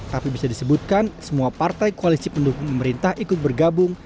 tapi bisa disebutkan semua partai koalisi pendukung pemerintah ikut bergabung